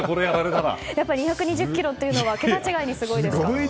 ２２０ｋｇというのは桁違いにすごいですか。